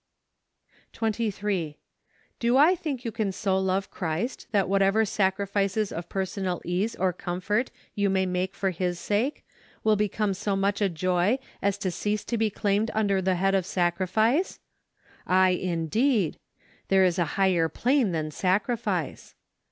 23. Do I think you can so love Christ that whatever sacrifices of personal ease or comfort you may make for His sake will become so much a joy as to cease to be claimed under the head of sacrifice ? Aye, indeed, there is a higher plane than sacrifice.